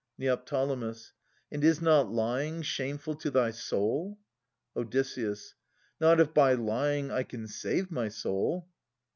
Ned. And is not lying shameful to thy soul? Od. Not if by lying I can save my soul.